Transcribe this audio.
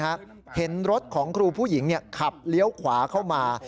เห็นรถของครูผู้หญิงขับเลี้ยวขวาเข้ามา